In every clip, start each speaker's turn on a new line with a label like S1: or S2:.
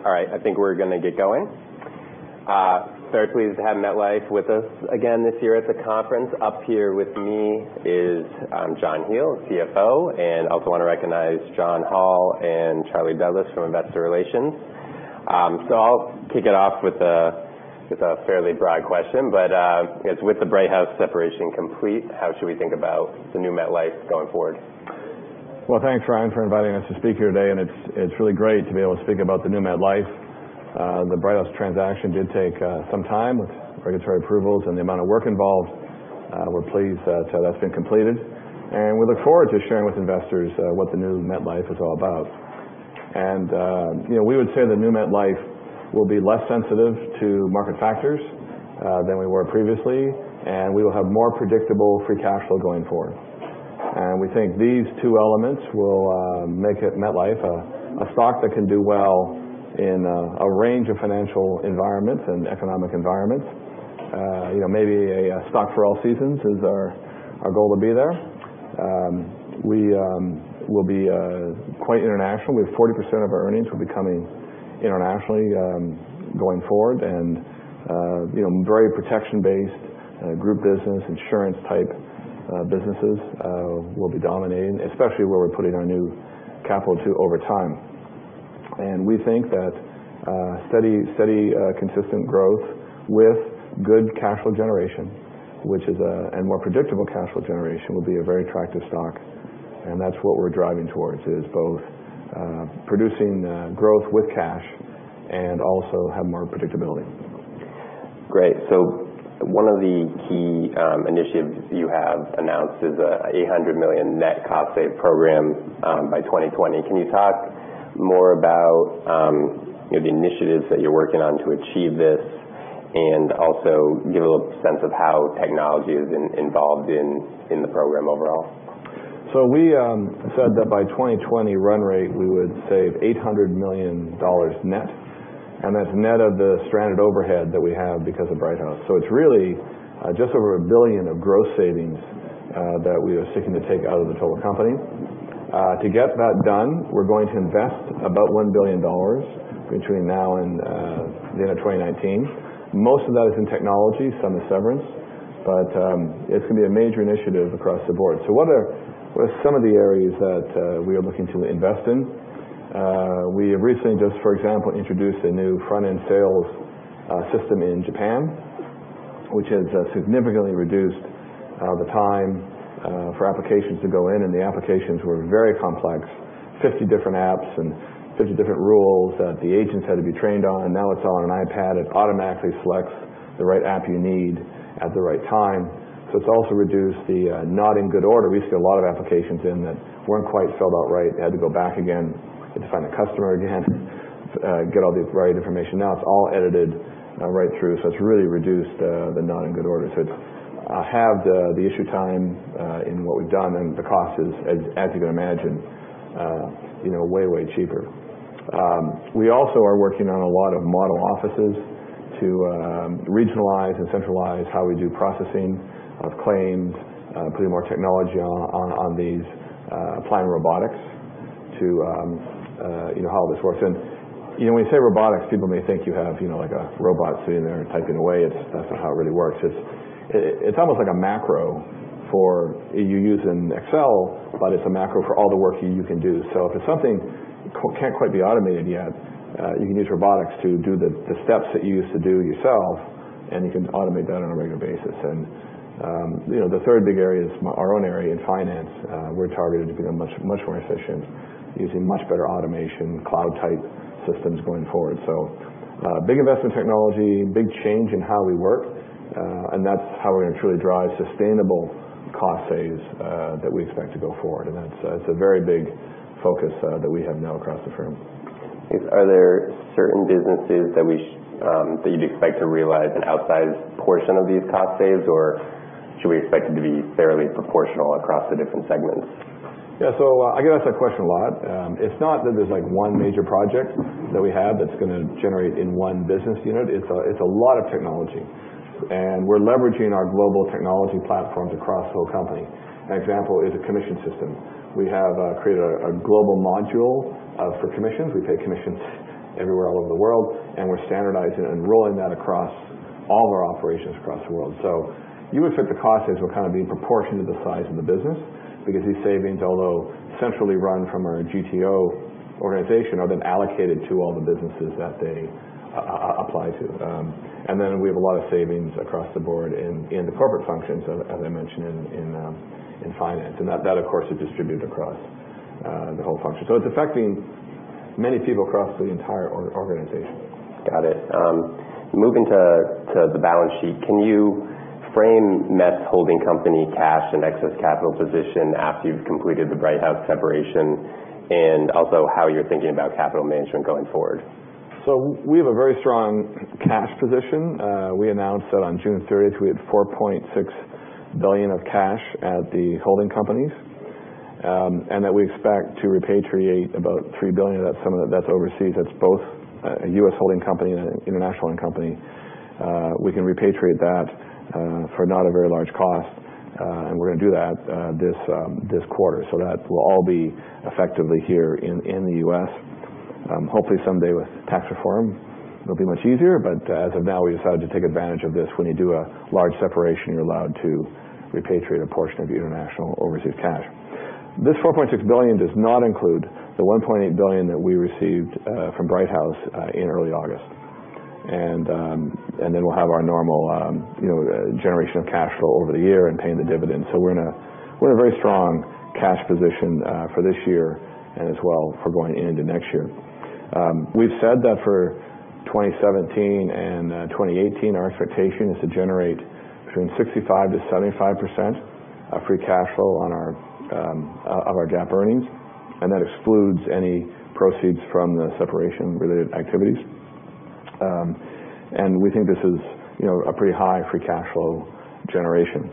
S1: All right, I think we're going to get going. Very pleased to have MetLife with us again this year at the conference. Up here with me is John McCallion, CFO, and also want to recognize John Hall and Charlie Douglas from Investor Relations. I'll kick it off with a fairly broad question. With the Brighthouse separation complete, how should we think about the new MetLife going forward?
S2: Well, thanks, Ryan, for inviting us to speak here today, and it's really great to be able to speak about the new MetLife. The Brighthouse transaction did take some time with regulatory approvals and the amount of work involved. We're pleased that's how that's been completed, and we look forward to sharing with investors what the new MetLife is all about. We would say the new MetLife will be less sensitive to market factors than we were previously, and we will have more predictable free cash flow going forward. We think these two elements will make MetLife a stock that can do well in a range of financial environments and economic environments. Maybe a stock for all seasons is our goal to be there. We will be quite international. We have 40% of our earnings will be coming internationally going forward and very protection-based group business, insurance type businesses will be dominating, especially where we're putting our new capital too over time. We think that steady consistent growth with good cash flow generation, and more predictable cash flow generation, will be a very attractive stock, and that's what we're driving towards is both producing growth with cash and also have more predictability.
S1: Great. One of the key initiatives you have announced is a $800 million net cost save program by 2020. Can you talk more about the initiatives that you're working on to achieve this and also give a little sense of how technology is involved in the program overall?
S2: We said that by 2020 run rate, we would save $800 million net, and that's net of the stranded overhead that we have because of Brighthouse. It's really just over $1 billion of gross savings that we are seeking to take out of the total company. To get that done, we're going to invest about $1 billion between now and the end of 2019. Most of that is in technology, some in severance. It's going to be a major initiative across the board. What are some of the areas that we are looking to invest in? We have recently just, for example, introduced a new front-end sales system in Japan, which has significantly reduced the time for applications to go in, and the applications were very complex, 50 different apps and 50 different rules that the agents had to be trained on. Now it's on an iPad. It automatically selects the right app you need at the right time. It's also reduced the not in good order. We used to get a lot of applications in that weren't quite filled out right, had to go back again, had to find the customer again, get all the right information. Now it's all edited right through, it's really reduced the not in good order. It's halved the issue time in what we've done, and the cost is, as you can imagine, way cheaper. We also are working on a lot of model offices to regionalize and centralize how we do processing of claims, putting more technology on these, applying robotics to how this works. When you say robotics, people may think you have like a robot sitting there typing away. That's not how it really works. It's almost like a macro you use in Excel, it's a macro for all the work you can do. If it's something can't quite be automated yet, you can use robotics to do the steps that you used to do yourself, and you can automate that on a regular basis. The third big area is our own area in finance. We're targeted to be much more efficient using much better automation, cloud type systems going forward. Big investment technology, big change in how we work, and that's how we're going to truly drive sustainable cost saves that we expect to go forward. That's a very big focus that we have now across the firm.
S1: Are there certain businesses that you'd expect to realize an outsized portion of these cost saves, or should we expect it to be fairly proportional across the different segments?
S2: Yeah. I get asked that question a lot. It's not that there's one major project that we have that's going to generate in one business unit. It's a lot of technology, and we're leveraging our global technology platforms across the whole company. An example is a commission system. We have created a global module for commissions. We pay commissions everywhere all over the world, and we're standardizing and rolling that across all of our operations across the world. You would expect the cost saves will kind of be in proportion to the size of the business because these savings, although centrally run from our GTO organization, are then allocated to all the businesses that they apply to. We have a lot of savings across the board in the corporate functions, as I mentioned in finance, and that of course is distributed across the whole function. It's affecting many people across the entire organization.
S1: Got it. Moving to the balance sheet, can you frame Met's holding company cash and excess capital position after you've completed the Brighthouse separation, and also how you're thinking about capital management going forward?
S2: We have a very strong cash position. We announced that on June 30th, we had $4.6 billion of cash at the holding companies, and that we expect to repatriate about $3 billion of that, some of that's overseas. That's both a U.S. holding company and an international holding company. We can repatriate that for not a very large cost. We're going to do that this quarter. That will all be effectively here in the U.S. Hopefully someday with tax reform it'll be much easier, but as of now, we decided to take advantage of this. When you do a large separation, you're allowed to repatriate a portion of the international overseas cash. This $4.6 billion does not include the $1.8 billion that we received from Brighthouse in early August. We'll have our normal generation of cash flow over the year and paying the dividends. We're in a very strong cash position for this year and as well for going into next year. We've said that for 2017 and 2018, our expectation is to generate between 65%-75% of free cash flow of our GAAP earnings, and that excludes any proceeds from the separation-related activities. We think this is a pretty high free cash flow generation.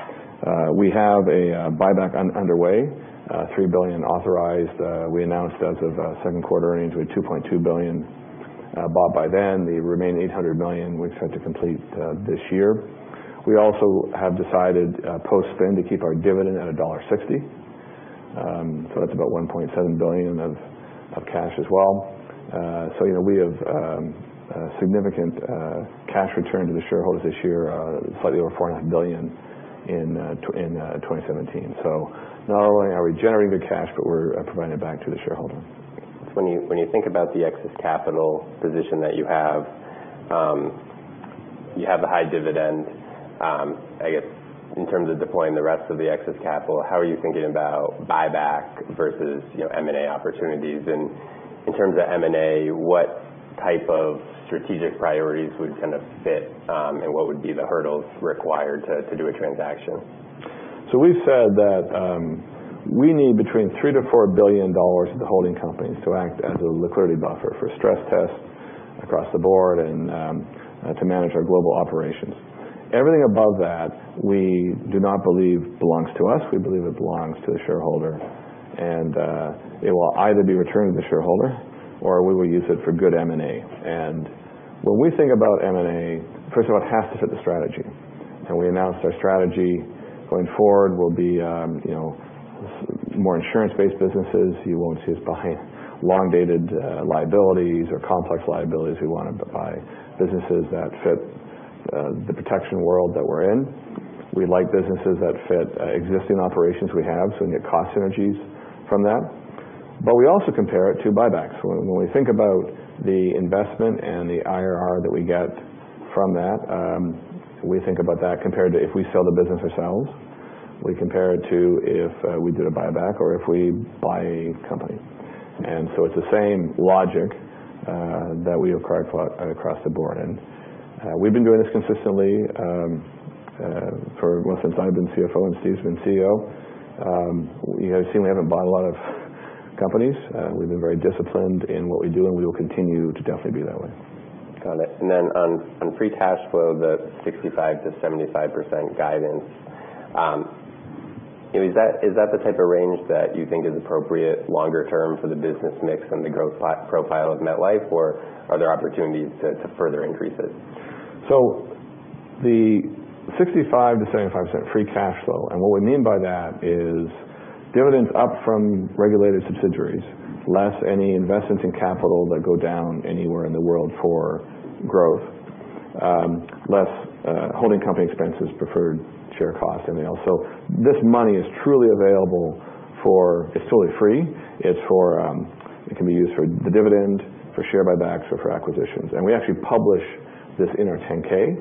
S2: We have a buyback underway, $3 billion authorized. We announced as of second quarter earnings, we had $2.2 billion bought by then. The remaining $800 million, we expect to complete this year. We also have decided post-spin to keep our dividend at $1.60. That's about $1.7 billion of cash as well. We have a significant cash return to the shareholders this year, slightly over $4.5 billion in 2017. Not only are we generating good cash, but we're providing it back to the shareholder.
S1: When you think about the excess capital position that you have, you have the high dividend. I guess in terms of deploying the rest of the excess capital, how are you thinking about buyback versus M&A opportunities? In terms of M&A, what type of strategic priorities would fit, and what would be the hurdles required to do a transaction?
S2: We've said that we need between $3 billion-$4 billion at the holding companies to act as a liquidity buffer for stress tests across the board and to manage our global operations. Everything above that we do not believe belongs to us. We believe it belongs to the shareholder, and it will either be returned to the shareholder or we will use it for good M&A. When we think about M&A, first of all, it has to fit the strategy. We announced our strategy going forward will be more insurance-based businesses. You won't see us buying long-dated liabilities or complex liabilities. We want to buy businesses that fit the protection world that we're in. We like businesses that fit existing operations we have, so we can get cost synergies from that. We also compare it to buybacks. When we think about the investment and the IRR that we get from that, we think about that compared to if we sell the business ourselves. We compare it to if we did a buyback or if we buy a company. It's the same logic that we apply across the board. We've been doing this consistently for, well, since I've been CFO and Steve's been CEO. You guys have seen we haven't bought a lot of companies. We've been very disciplined in what we do, and we will continue to definitely be that way.
S1: Got it. On free cash flow, the 65%-75% guidance, is that the type of range that you think is appropriate longer term for the business mix and the growth profile of MetLife, or are there opportunities to further increase it?
S2: The 65%-75% free cash flow, and what we mean by that is dividends up from regulated subsidiaries, less any investments in capital that go down anywhere in the world for growth, less holding company expenses, preferred share cost, anything else. This money is truly available; it's totally free. It can be used for the dividend, for share buybacks, or for acquisitions. We actually publish this in our 10K.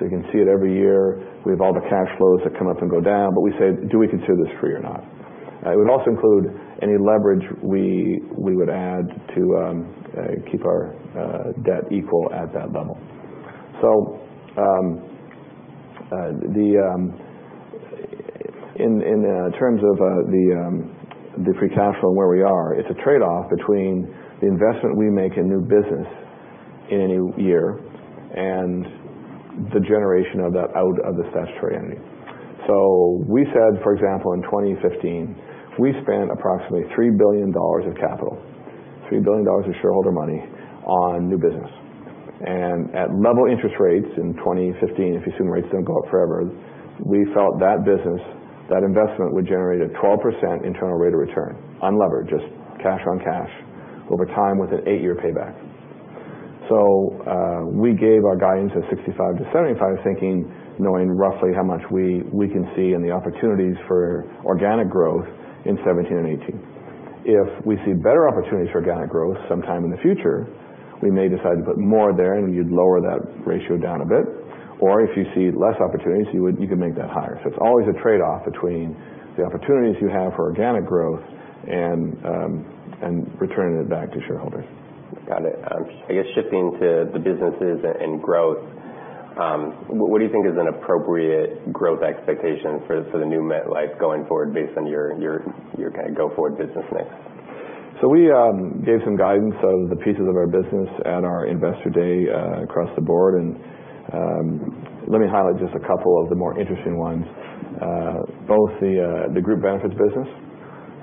S2: You can see it every year. We have all the cash flows that come up and go down, but we say, do we consider this free or not? It would also include any leverage we would add to keep our debt equal at that level. In terms of the free cash flow and where we are, it's a trade-off between the investment we make in new business in a new year and the generation of that out of the statutory entity. We said, for example, in 2015, we spent approximately $3 billion of capital, $3 billion of shareholder money on new business. At level interest rates in 2015, if you assume rates didn't go up forever, we felt that business, that investment would generate a 12% internal rate of return, unlevered, just cash on cash over time with an eight-year payback. We gave our guidance at 65-75 thinking, knowing roughly how much we can see and the opportunities for organic growth in 2017 and 2018. If we see better opportunities for organic growth sometime in the future, we may decide to put more there, you'd lower that ratio down a bit. If you see less opportunities, you could make that higher. It's always a trade-off between the opportunities you have for organic growth and returning it back to shareholders.
S1: Got it. I guess shifting to the businesses and growth, what do you think is an appropriate growth expectation for the new MetLife going forward based on your kind of go-forward business mix?
S2: We gave some guidance of the pieces of our business at our investor day across the board. Let me highlight just a couple of the more interesting ones. Both the Group Benefits business,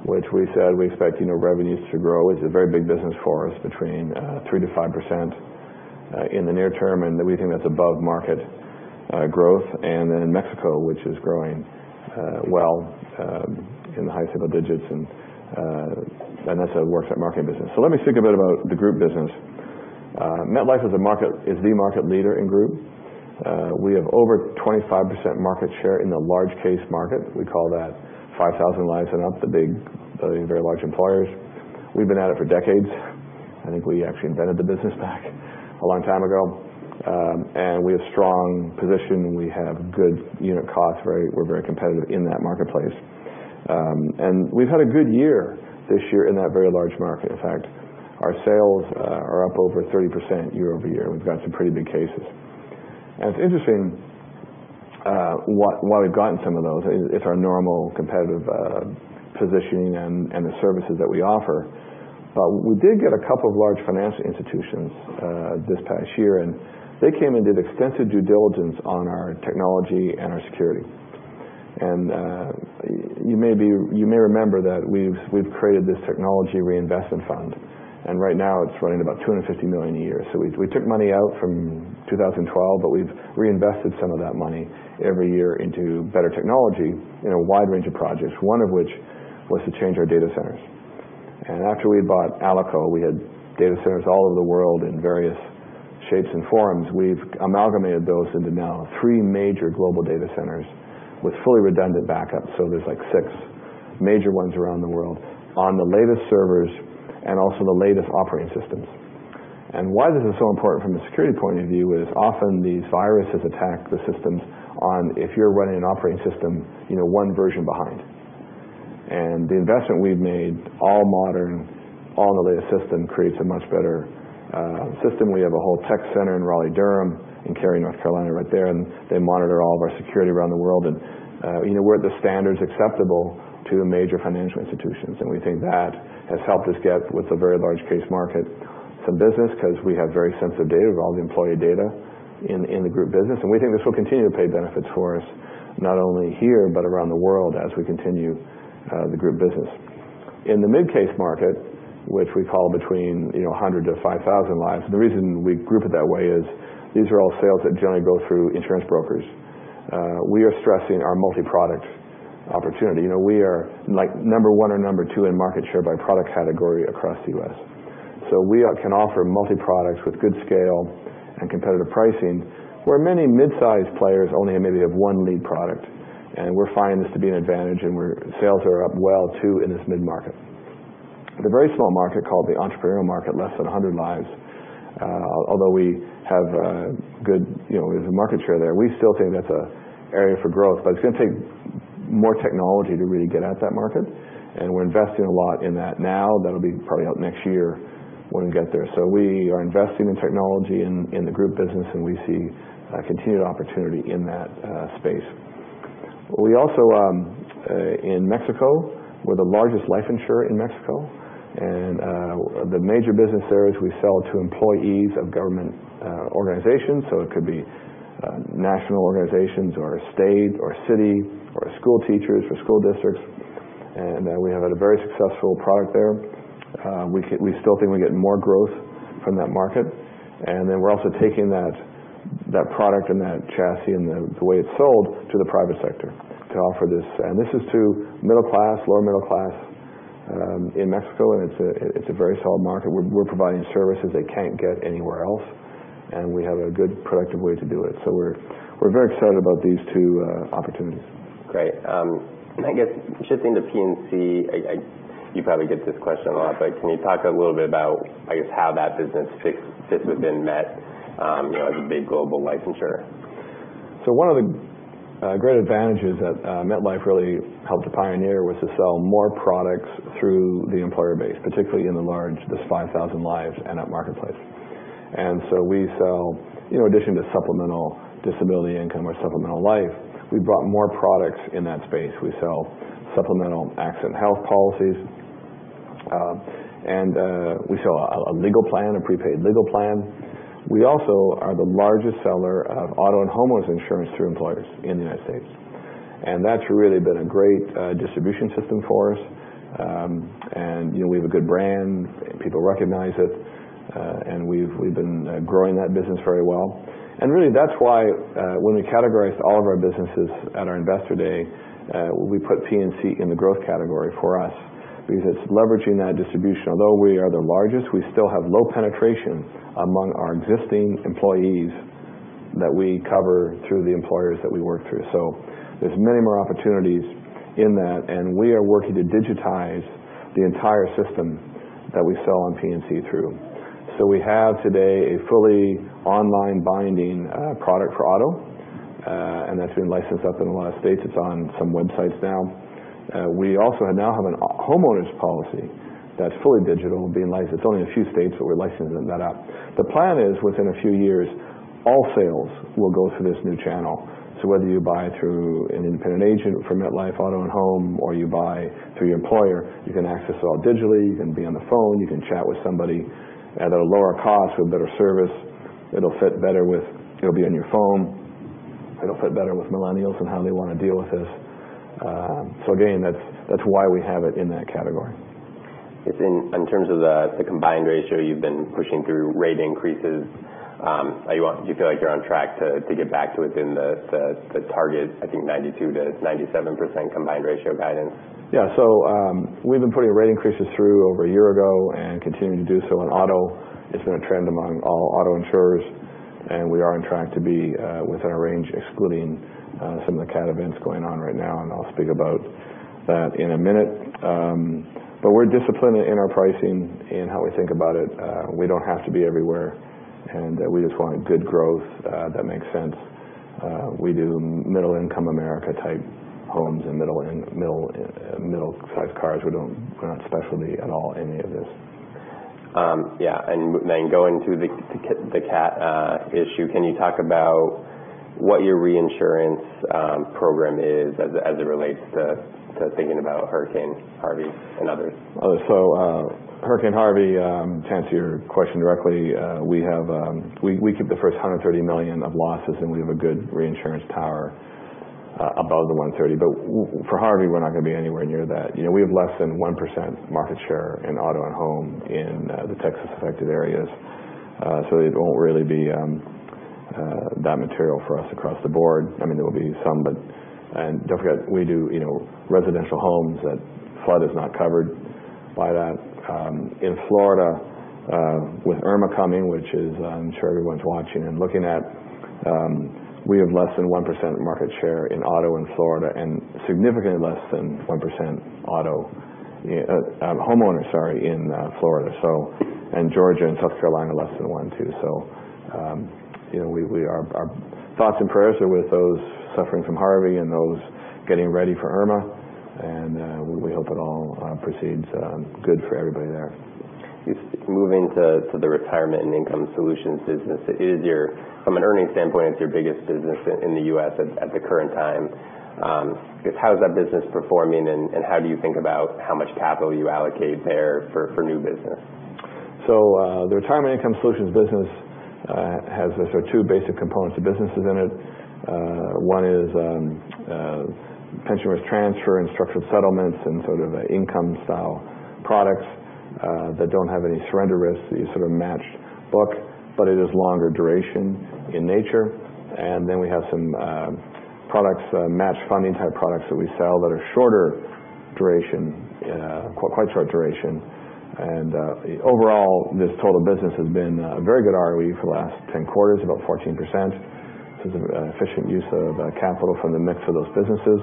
S2: which we said we expect revenues to grow. It's a very big business for us, between 3%-5% in the near term, and we think that's above-market growth. In Mexico, which is growing well in the high single digits, and that's a worksite marketing business. Let me speak a bit about the Group business. MetLife is the market leader in Group. We have over 25% market share in the large case market. We call that 5,000 lives and up, the big, very large employers. We've been at it for decades. I think we actually invented the business back a long time ago. We have a strong position. We have good unit costs. We're very competitive in that marketplace. We've had a good year this year in that very large market. In fact, our sales are up over 30% year-over-year. We've got some pretty big cases. It's interesting why we've gotten some of those. It's our normal competitive positioning and the services that we offer. We did get a couple of large financial institutions this past year. They came and did extensive due diligence on our technology and our security. You may remember that we've created this technology reinvestment fund, and right now it's running about $250 million a year. We took money out from 2012, but we've reinvested some of that money every year into better technology in a wide range of projects, one of which was to change our data centers. After we bought Alico, we had data centers all over the world in various shapes and forms. We've amalgamated those into now three major global data centers with fully redundant backup. There's six major ones around the world on the latest servers and also the latest operating systems. Why this is so important from a security point of view is often these viruses attack the systems on if you're running an operating system one version behind. The investment we've made, all modern, all the latest system, creates a much better system. We have a whole tech center in Raleigh-Durham, in Cary, North Carolina, right there. They monitor all of our security around the world. We're at the standards acceptable to the major financial institutions, and we think that has helped us get with a very large case market some business because we have very sensitive data. We have all the employee data in the Group business, and we think this will continue to pay benefits for us, not only here but around the world as we continue the Group business. In the mid-case market, which we call between 100 to 5,000 lives, the reason we group it that way is these are all sales that generally go through insurance brokers. We are stressing our multi-product opportunity. We are number one or number two in market share by product category across the U.S. We can offer multi-products with good scale and competitive pricing, where many mid-size players only maybe have one lead product. We're finding this to be an advantage, and sales are up well too in this mid-market. The very small market, called the entrepreneurial market, less than 100 lives, although we have good market share there, we still think that's an area for growth, but it's going to take more technology to really get at that market, and we're investing a lot in that now. That'll be probably out next year when we get there. We are investing in technology in the Group business, and we see a continued opportunity in that space. We also, in Mexico, we're the largest life insurer in Mexico. The major business there is we sell to employees of government organizations, so it could be national organizations or state or city or school teachers for school districts. We have a very successful product there. We still think we get more growth from that market. We're also taking that product and that chassis and the way it's sold to the private sector to offer this. This is to middle class, lower middle class in Mexico, and it's a very solid market. We're providing services they can't get anywhere else, and we have a good, productive way to do it. We're very excited about these two opportunities.
S1: Great. I guess shifting to P&C, you probably get this question a lot, but can you talk a little bit about how that business fits within Met as a big global life insurer?
S2: One of the great advantages that MetLife really helped to pioneer was to sell more products through the employer base, particularly in the large, this 5,000 lives and up marketplace. We sell, in addition to supplemental disability income or supplemental life, we brought more products in that space. We sell supplemental accident health policies. We sell a legal plan, a prepaid legal plan. We also are the largest seller of auto and homeowners insurance through employers in the U.S. That's really been a great distribution system for us. We have a good brand. People recognize it. We've been growing that business very well. Really, that's why when we categorized all of our businesses at our investor day, we put P&C in the growth category for us because it's leveraging that distribution. Although we are the largest, we still have low penetration among our existing employees that we cover through the employers that we work through. There's many more opportunities in that, and we are working to digitize the entire system that we sell on P&C through. We have today a fully online binding product for auto, and that's been licensed up in a lot of states. It's on some websites now. We also now have a homeowners policy that's fully digital, being licensed. It's only in a few states, but we're licensing that out. The plan is within a few years, all sales will go through this new channel. Whether you buy through an independent agent from MetLife Auto & Home, or you buy through your employer, you can access it all digitally. You can be on the phone. You can chat with somebody at a lower cost with better service. It'll be on your phone. I don't fit better with millennials and how they want to deal with this. Again, that's why we have it in that category.
S1: In terms of the combined ratio you've been pushing through rate increases. Do you feel like you're on track to get back to within the target, I think 92%-97% combined ratio guidance?
S2: We've been putting rate increases through over a year ago and continuing to do so in auto. It's been a trend among all auto insurers. We are on track to be within our range excluding some of the cat events going on right now. I'll speak about that in a minute. We're disciplined in our pricing in how we think about it. We don't have to be everywhere. We just want good growth that makes sense. We do middle income America type homes and middle-sized cars. We're not specialty at all any of this.
S1: Going to the cat issue, can you talk about what your reinsurance program is as it relates to thinking about Hurricane Harvey and others?
S2: Hurricane Harvey, to answer your question directly, we keep the first $130 million of losses. We have a good reinsurance tower above the $130 million. For Harvey, we're not going to be anywhere near that. We have less than 1% market share in auto and home in the Texas affected areas. It won't really be that material for us across the board. There will be some. Don't forget, we do residential homes, that flood is not covered by that. In Florida with Hurricane Irma coming, which I'm sure everyone's watching and looking at, we have less than 1% market share in auto in Florida and significantly less than 1% homeowners, sorry, in Florida. Georgia and South Carolina less than 1% too. Our thoughts and prayers are with those suffering from Harvey and those getting ready for Irma. We hope it all proceeds good for everybody there.
S1: Moving to the Retirement & Income Solutions business. From an earnings standpoint, it's your biggest business in the U.S. at the current time. Just how is that business performing, and how do you think about how much capital you allocate there for new business?
S2: The Retirement & Income Solutions business has two basic components of businesses in it. One is pension risk transfer and structured settlements and sort of income style products that don't have any surrender risk, these sort of matched book, but it is longer duration in nature. Then we have some products, match funding type products that we sell that are shorter duration, quite short duration. Overall this total business has been a very good ROE for the last 10 quarters, about 14%, so it's an efficient use of capital from the mix of those businesses.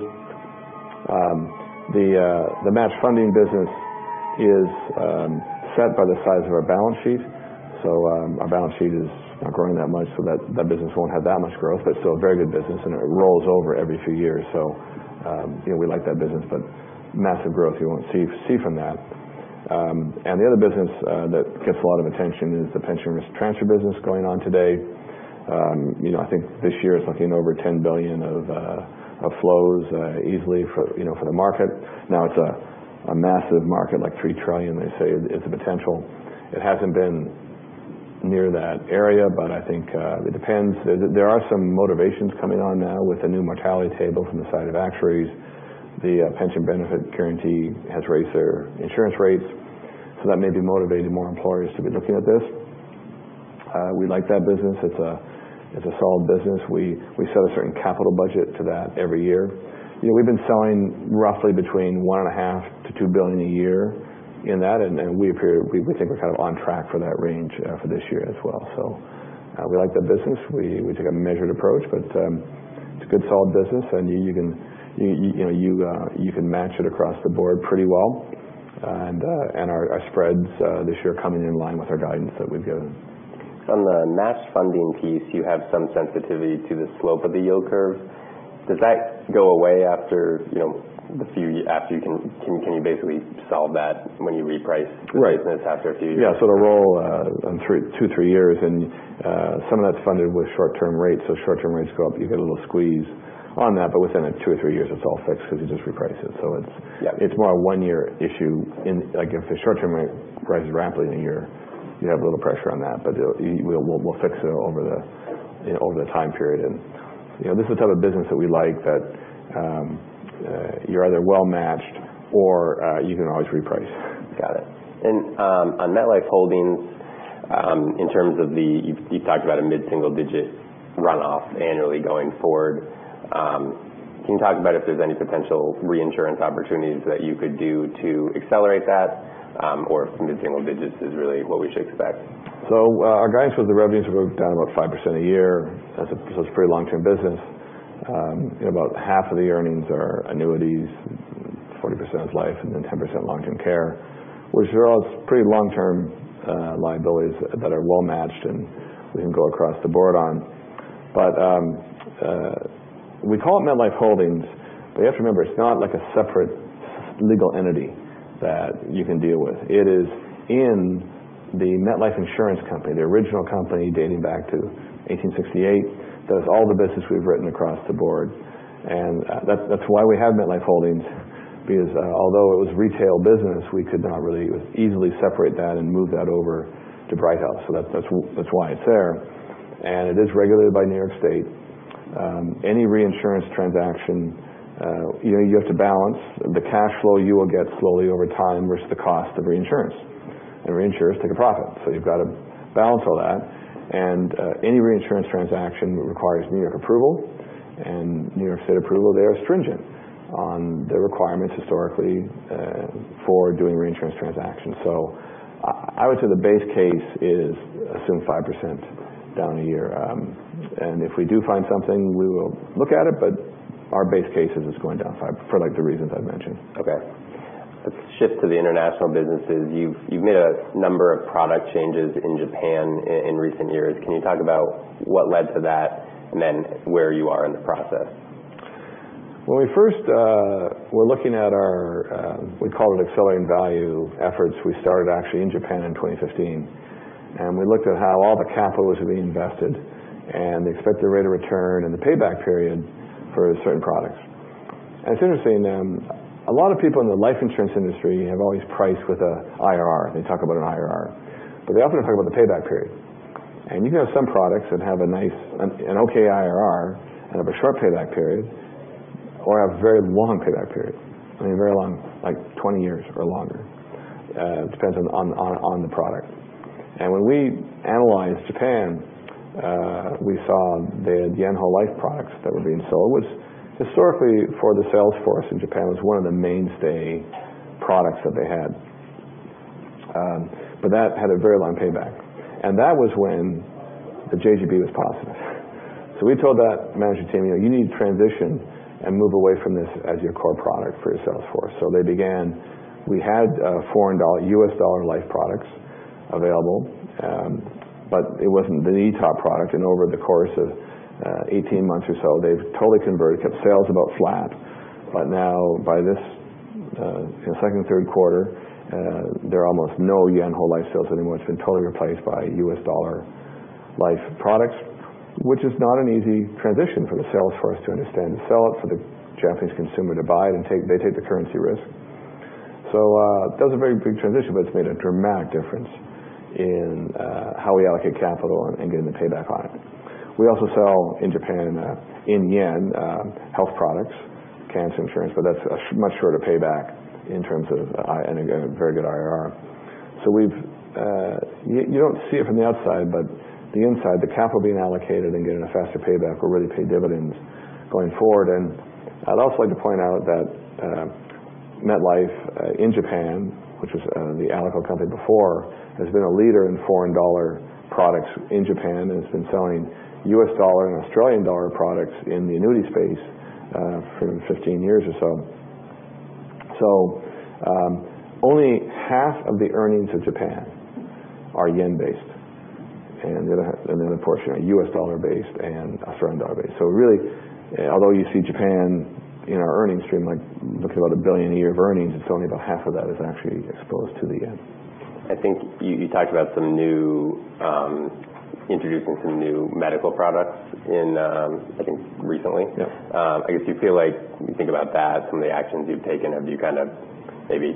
S2: The match funding business is set by the size of our balance sheet. Our balance sheet is not growing that much, so that business won't have that much growth, but still a very good business and it rolls over every few years. We like that business, but massive growth you won't see from that. The other business that gets a lot of attention is the pension risk transfer business going on today. I think this year it's looking over $10 billion of flows easily for the market. Now it's a massive market, like $3 trillion they say is the potential. It hasn't been near that area, but I think it depends. There are some motivations coming on now with the new mortality table from the Society of Actuaries. The Pension Benefit Guaranty Corporation has raised their insurance rates. That may be motivating more employers to be looking at this. We like that business. It's a solid business. We set a certain capital budget to that every year. We've been selling roughly between $1.5 billion-$2 billion a year in that, and we think we're kind of on track for that range for this year as well. We like that business. We take a measured approach, but it's a good solid business and you can match it across the board pretty well. Our spreads this year coming in line with our guidance that we've given.
S1: On the match funding piece, you have some sensitivity to the slope of the yield curve. Does that go away after you can basically solve that when you reprice-
S2: Right
S1: the business after a few years?
S2: Yeah. It'll roll in two, three years and some of that's funded with short-term rates. Short-term rates go up, you get a little squeeze on that, but within two or three years it's all fixed because you just reprice it. It's-
S1: Yeah
S2: it's more a one year issue in like if the short-term rate rises rapidly in a year, you have a little pressure on that, we'll fix it over the time period. This is the type of business that we like that you're either well matched or you can always reprice.
S1: Got it. On MetLife Holdings, in terms of you talked about a mid-single digit runoff annually going forward. Can you talk about if there's any potential reinsurance opportunities that you could do to accelerate that? Or if mid-single digits is really what we should expect.
S2: Our guidance was the revenues will move down about 5% a year. That's a pretty long-term business. About half of the earnings are annuities, 40% is life, and then 10% long-term care, which are all pretty long-term liabilities that are well matched and we can go across the board on. We call it MetLife Holdings, but you have to remember, it's not like a separate legal entity that you can deal with. It is in the Metropolitan Life Insurance Company, the original company dating back to 1868, that has all the business we've written across the board. That's why we have MetLife Holdings because although it was retail business, we could not really easily separate that and move that over to Brighthouse. That's why it's there. It is regulated by New York State. Any reinsurance transaction you have to balance the cash flow you will get slowly over time versus the cost of reinsurance. Reinsurers take a profit. You've got to balance all that. Any reinsurance transaction requires New York approval and New York State approval, they are stringent on the requirements historically for doing reinsurance transactions. I would say the base case is assume 5% down a year. If we do find something, we will look at it, but our base case is it's going down 5% for the reasons I've mentioned.
S1: Okay. Let's shift to the international businesses. You've made a number of product changes in Japan in recent years. Can you talk about what led to that and where you are in the process?
S2: When we first were looking at our, we call it Accelerating Value efforts, we started actually in Japan in 2015. We looked at how all the capital was being invested and the expected rate of return and the payback period for certain products. It's interesting, a lot of people in the life insurance industry have always priced with a IRR. They talk about an IRR. They often don't talk about the payback period. You can have some products that have a nice, an okay IRR and have a short payback period or have a very long payback period. I mean, very long, like 20 years or longer, depends on the product. When we analyzed Japan, we saw the yen whole life products that were being sold was historically for the sales force in Japan was one of the mainstay products that they had. That had a very long payback and that was when the JGB was positive. We told that management team, you need to transition and move away from this as your core product for your sales force. They began. We had foreign dollar, US dollar life products available. It wasn't the top product, and over the course of 18 months or so, they've totally converted. Kept sales about flat. Now by this second or third quarter, there are almost no yen whole life sales anymore. It's been totally replaced by US dollar life products, which is not an easy transition for the sales force to understand and sell it for the Japanese consumer to buy it, and they take the currency risk. That was a very big transition, but it's made a dramatic difference in how we allocate capital and getting the payback on it. We also sell in Japan, in yen, health products, cancer insurance. That's a much shorter payback in terms of, and again, a very good IRR. You don't see it from the outside, but the inside, the capital being allocated and getting a faster payback will really pay dividends going forward. I'd also like to point out that MetLife in Japan, which was the Alico company before, has been a leader in foreign dollar products in Japan and has been selling US dollar and Australian dollar products in the annuity space for 15 years or so. Only half of the earnings in Japan are yen based, and the other portion are US dollar based and Australian dollar based. Really, although you see Japan in our earnings stream, like looking at about $1 billion a year of earnings, it's only about half of that is actually exposed to the JPY.
S1: I think you talked about introducing some new medical products I think recently.
S2: Yeah.
S1: I guess you feel like when you think about that, some of the actions you've taken, have you kind of maybe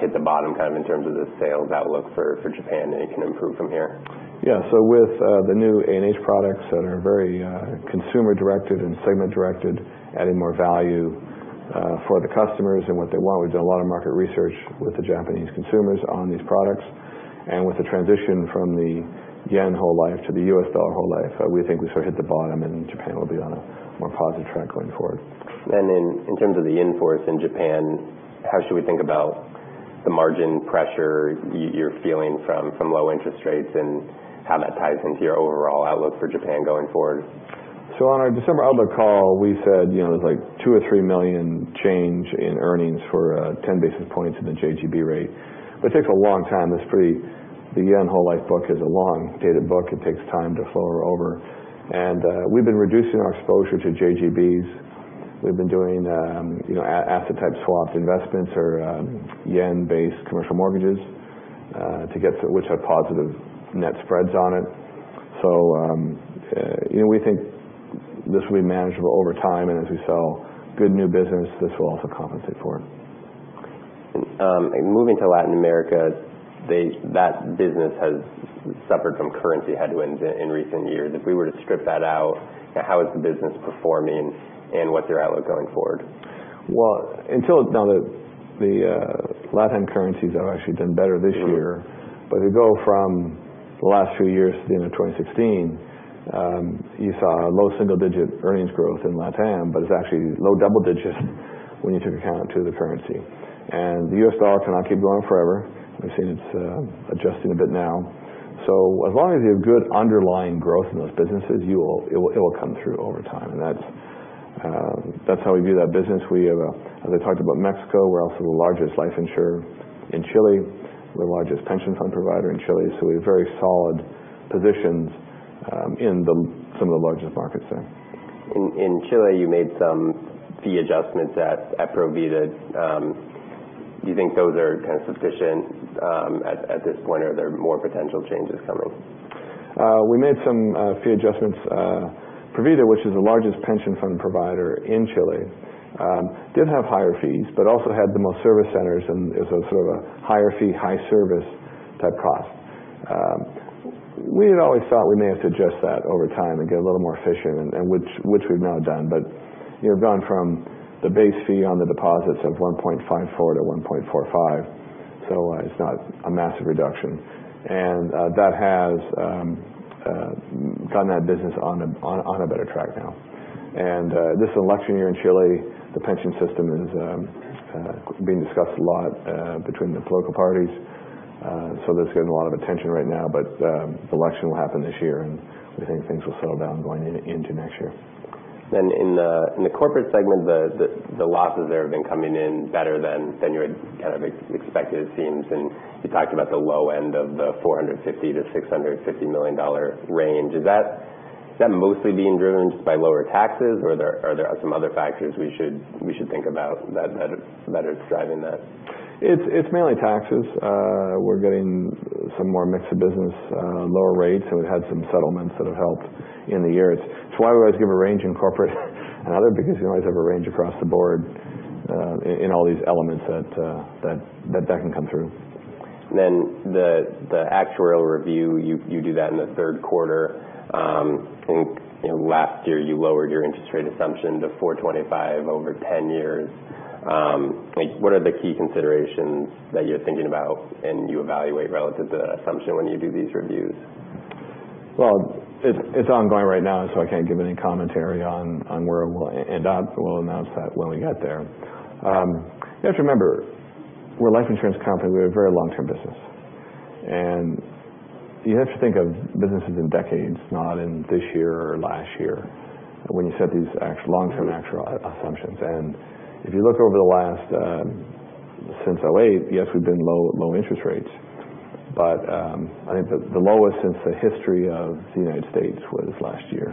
S1: hit the bottom kind of in terms of the sales outlook for Japan, and it can improve from here?
S2: Yeah. With the new A&H products that are very consumer directed and segment directed, adding more value for the customers and what they want. We've done a lot of market research with the Japanese consumers on these products. With the transition from the yen whole life to the US dollar whole life, we think we sort of hit the bottom, Japan will be on a more positive track going forward.
S1: In terms of the in-force in Japan, how should we think about the margin pressure you're feeling from low interest rates and how that ties into your overall outlook for Japan going forward?
S2: On our December outlook call, we said there's like two or three million change in earnings for 10 basis points in the JGB rate, which takes a long time. The yen whole life book is a long-dated book. It takes time to flow her over. We've been reducing our exposure to JGBs. We've been doing asset type swap investments or yen-based commercial mortgages which have positive net spreads on it. We think this will be manageable over time, and as we sell good new business, this will also compensate for it.
S1: Moving to Latin America, that business has suffered from currency headwinds in recent years. If we were to strip that out, how is the business performing and what's your outlook going forward?
S2: Well, until now, the LatAm currencies have actually done better this year. But if you go from the last few years to the end of 2016, you saw low single-digit earnings growth in LatAm, but it's actually low double digits when you take account to the currency. The US dollar cannot keep going forever. We've seen it's adjusting a bit now. As long as you have good underlying growth in those businesses, it will come through over time. That's how we view that business. As I talked about Mexico, we're also the largest life insurer in Chile, the largest pension fund provider in Chile. We have very solid positions in some of the largest markets there.
S1: In Chile, you made some fee adjustments at Provida. Do you think those are kind of sufficient at this point, or are there more potential changes coming?
S2: We made some fee adjustments. Provida, which is the largest pension fund provider in Chile, did have higher fees, but also had the most service centers and is a sort of a higher fee, high service type cost. We had always thought we may have to adjust that over time and get a little more efficient and which we've now done. Gone from the base fee on the deposits of 1.54%-1.45%. It's not a massive reduction. That has gotten that business on a better track now. This election year in Chile, the pension system is being discussed a lot between the political parties. That's getting a lot of attention right now. The election will happen this year, and we think things will settle down going into next year.
S1: In the Corporate and Other segment, the losses there have been coming in better than you had kind of expected, it seems. You talked about the low end of the $450 million-$650 million range. Is that mostly being driven just by lower taxes, or are there some other factors we should think about that are driving that?
S2: It's mainly taxes. We're getting some more mix of business, lower rates, and we've had some settlements that have helped in the years. That's why we always give a range in Corporate and Other, because we always have a range across the board in all these elements that can come through.
S1: The actuarial review, you do that in the third quarter. I think last year you lowered your interest rate assumption to 4.25% over 10 years. What are the key considerations that you're thinking about and you evaluate relative to that assumption when you do these reviews?
S2: Well, it's ongoing right now. I can't give any commentary on where we'll end up. We'll announce that when we get there. You have to remember, we're a life insurance company. We have very long-term business. You have to think of businesses in decades, not in this year or last year when you set these long-term actuarial assumptions. If you look over the last, since 2008, yes, we've been low interest rates, but I think the lowest since the history of the U.S. was last year,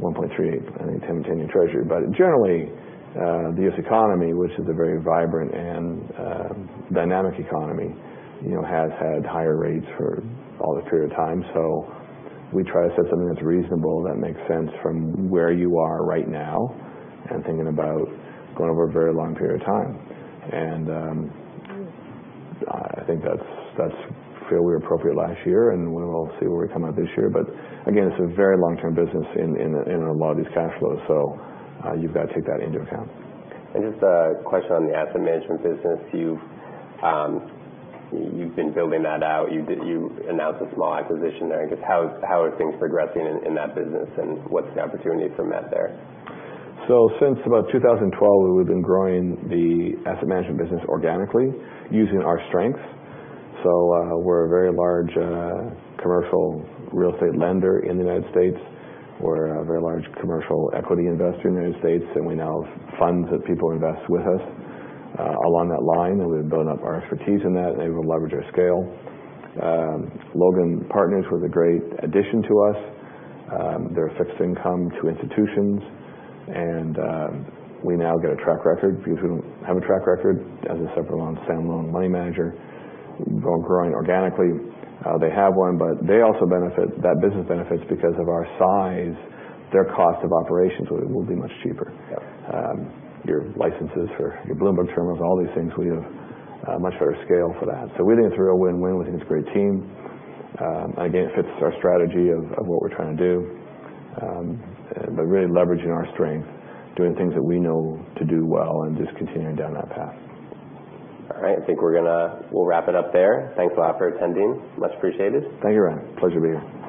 S2: 1.38% on 10-year Treasury. Generally, the U.S. economy, which is a very vibrant and dynamic economy has had higher rates for all the period of time. We try to set something that's reasonable, that makes sense from where you are right now and thinking about going over a very long period of time. I think that's fairly appropriate last year, and we'll see where we come out this year. Again, it's a very long-term business in a lot of these cash flows. You've got to take that into account.
S1: Just a question on the asset management business. You've been building that out. You've announced a small acquisition there. I guess how are things progressing in that business, and what's the opportunity from that there?
S2: Since about 2012, we've been growing the asset management business organically using our strengths. We're a very large commercial real estate lender in the U.S. We're a very large commercial equity investor in the U.S. We now have funds that people invest with us along that line. We've been building up our expertise in that. We'll leverage our scale. Logan Partners was a great addition to us. They're a fixed income to institutions. We now get a track record because we don't have a track record as a separate standalone money manager. We've been growing organically. They have one, but that business benefits because of our size. Their cost of operations will be much cheaper.
S1: Yep.
S2: Your licenses for your Bloomberg terminals, all these things, we have a much better scale for that. We think it's a real win-win. We think it's a great team. Again, it fits our strategy of what we're trying to do. Really leveraging our strength, doing things that we know to do well and just continuing down that path.
S1: All right. I think we'll wrap it up there. Thanks a lot for attending. Much appreciated.
S2: Thank you, Ryan. Pleasure to be here.